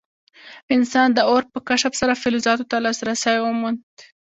انسان د اور په کشف سره فلزاتو ته لاسرسی وموند.